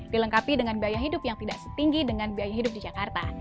dilengkapi dengan biaya hidup yang tidak setinggi dengan biaya hidup di jakarta